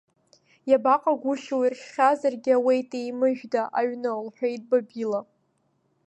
Иабаҟагәышьоу, иршьхьазаргьы ауеит, еимыжәда, аҩны, — лҳәеит Бабила.